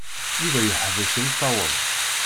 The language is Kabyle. Yuba yeḥbes imeṭṭawen.